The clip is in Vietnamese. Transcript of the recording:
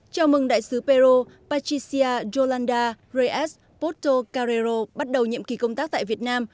chào mừng đại sứ peru patricia yolanda reyes porto carrero bắt đầu nhiệm kỳ công tác tại việt nam